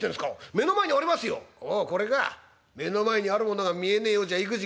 目の前にあるものが見えねえようじゃあ意気地がねえな。